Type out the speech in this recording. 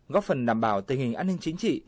góp phần đảm bảo tình hình an ninh chính trị